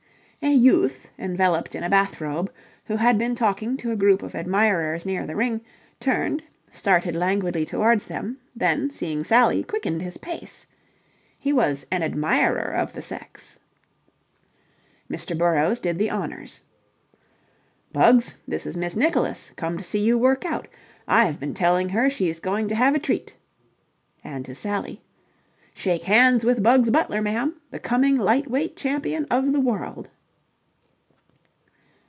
A youth enveloped in a bath robe, who had been talking to a group of admirers near the ring, turned, started languidly towards them, then, seeing Sally, quickened his pace. He was an admirer of the sex. Mr. Burrowes did the honours. "Bugs, this is Miss Nicholas, come to see you work out. I have been telling her she's going to have a treat." And to Sally. "Shake hands with Bugs Butler, ma'am, the coming lightweight champion of the world."